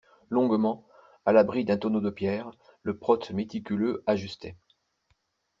Longuement, à l'abri d'un tonneau de pierres, le prote méticuleux ajustait.